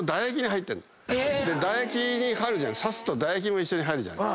唾液に刺すと唾液も一緒に入るじゃない。